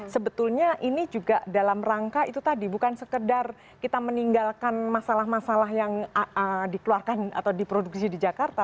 sebetulnya ini juga dalam rangka itu tadi bukan sekedar kita meninggalkan masalah masalah yang dikeluarkan atau diproduksi di jakarta